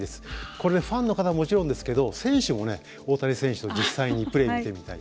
これ、ファンの方はもちろんですけど選手も大谷選手と実際にプレーしてみたい。